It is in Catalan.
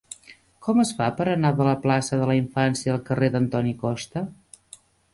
Com es fa per anar de la plaça de la Infància al carrer d'Antoni Costa?